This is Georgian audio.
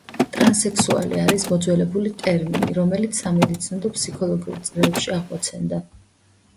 ტრანსსექსუალი არის მოძველებული ტერმინი, რომელიც სამედიცინო და ფსიქოლოგიურ წრეებში აღმოცენდა.